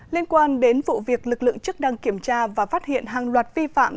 liên quan đến vụ việc lực lượng chức đang kiểm tra và phát hiện hàng loạt vi phạm